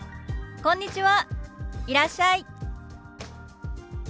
「こんにちは。